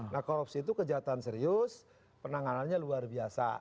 nah korupsi itu kejahatan serius penanganannya luar biasa